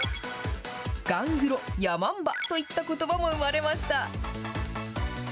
ガングロ、ヤマンバといったことばも生まれました。